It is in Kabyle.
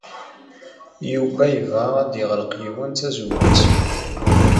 Yuba yebɣa ad yeɣleq yiwen tazewwut.